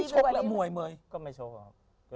ช่วยกับมวย